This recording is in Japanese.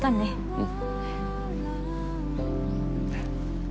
うん